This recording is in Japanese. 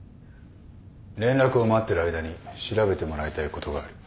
連絡を待ってる間に調べてもらいたいことがある。